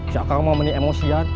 ya kang mau meni emosian